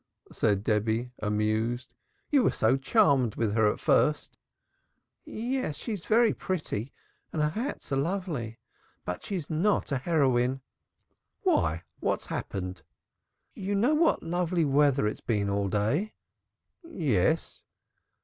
said Debby, amused. "You were so charmed with her at first." "Yes, she is very pretty and her hats are lovely. But she is not a heroine." "Why, what's happened?" "You know what lovely weather it's been all day?" "Yes."